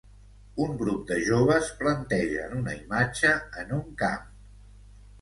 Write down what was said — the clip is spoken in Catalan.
Un grup de joves plantegen una imatge en un camp